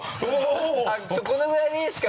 このぐらいでいいですか？